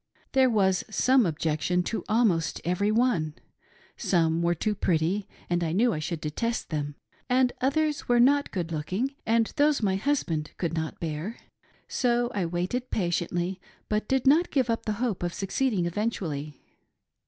There was some objection to almost every one. Some were too pretty and I knew I should detest them ; and others were not good looking, and those my husband could not beai*. So I waited patiently, but did not give up the hope of suc ceeding eventually.